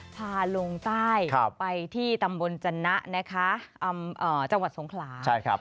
พาลงใต้ไปที่ตำบลจนะนะคะจังหวัดสงขลา